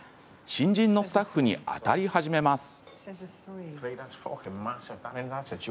新人のスタッフに当たり始めます。